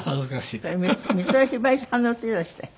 これ美空ひばりさんの歌でしたっけ？